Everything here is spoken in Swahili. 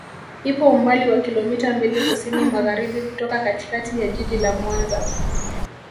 Ipo umbali wa kilomita mbili kusini magharibi kutoka katikati ya jiji la Mwanza